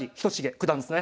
九段ですね。